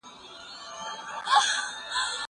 زه کښېناستل نه کوم؟